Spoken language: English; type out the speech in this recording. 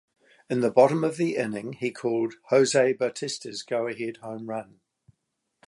In the bottom of the inning, he called Jose Bautista's go-ahead home run.